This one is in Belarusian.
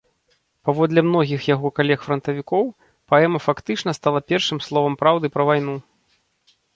Паводле многіх яго калег-франтавікоў, паэма фактычна, стала першым словам праўды пра вайну.